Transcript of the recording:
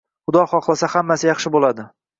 Xudo xohlasa, hammasi yaxshi bo‘ladi.